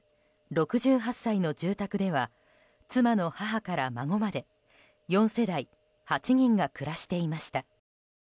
６８歳の住宅では妻の母から孫まで４世代８人が暮らしていました。